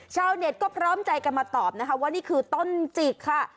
ชาวเน็ตก็พร้อมใจกันมาตอบนะคะว่านี่คือต้นจิกค่ะ